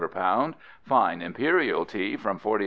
per Pound, fine Imperial Tea from 40 s.